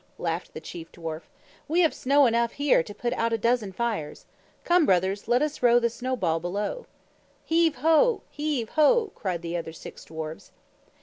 laughed the Chief Dwarf. "We have snow enough here to put out a dozen fires. Come, brothers, let us roll the snowball Below!" "Heave ho! Heave ho!" cried the other six dwarfs.